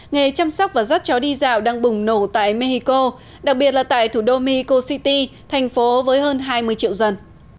nghề chăm sóc và rắt chó đi dạo đang bùng nổ tại mexico đặc biệt là tại thủ đô miko city thành phố với hơn hai mươi triệu dân